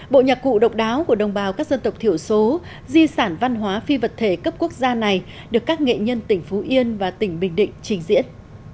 bộ nhạc cụ độc đáo của đồng bào các dân tộc thiểu số di sản văn hóa phi vật thể cấp quốc gia này được các nghệ nhân tỉnh phú yên và tỉnh bình định trình diễn